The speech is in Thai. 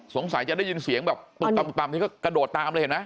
สงสัยจะได้ยินเสียงแบบปึกต่ำนี่ก็กระโดดตามเลยเห็นไหม